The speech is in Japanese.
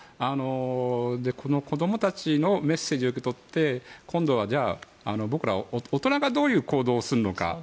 この子どもたちのメッセージを受け取って今度は、じゃあ僕ら大人がどういう行動をするのか。